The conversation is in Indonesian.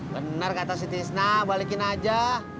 benar kata si tisna balikin aja